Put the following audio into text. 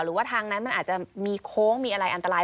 หรือว่าทางนั้นมันอาจจะมีโค้งมีอะไรอันตราย